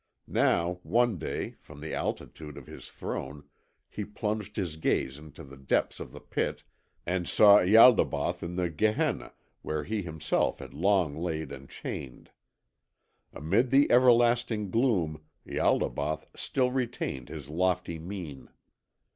Now, one day, from the altitude of his throne, he plunged his gaze into the depths of the pit and saw Ialdabaoth in the Gehenna where he himself had long lain enchained. Amid the everlasting gloom Ialdabaoth still retained his lofty mien.